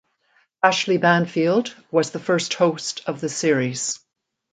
Ashleigh Banfield was the first host of the series.